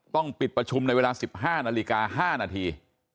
ต้องปิดประชุมในเวลาสิบห้านาฬิกาห้านาที